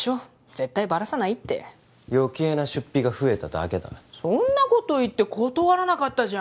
絶対バラさないって余計な出費が増えただけだそんなこと言って断らなかったじゃん